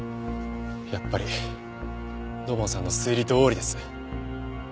やっぱり土門さんの推理どおりです。